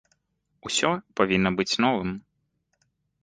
Усё павінна быць новым.